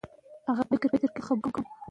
کانونه باید د مطالعې وروسته استخراج شي.